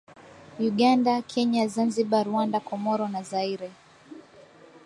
Uganda Kenya Zanzibar Rwanda Komoro na Zaire